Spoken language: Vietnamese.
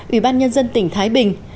ủy ban nhân dân tỉnh thái bình